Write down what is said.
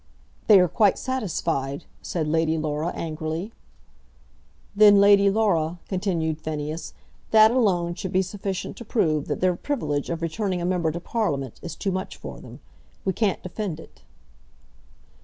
"They are quite satisfied," said Lady Laura, angrily. "Then, Lady Laura," continued Phineas, "that alone should be sufficient to prove that their privilege of returning a member to Parliament is too much for them. We can't defend it."